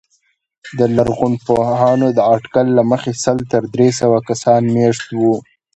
د لرغونپوهانو د اټکل له مخې سل تر درې سوه کسان مېشت وو